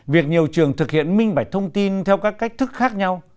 việc nhiều trường thực hiện minh bạch thông tin theo các cách thức khác nhau